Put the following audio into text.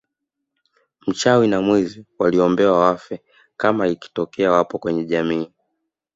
Mchawi na mwizi waliombewa wafe kama ikitokea wapo kwenye jamii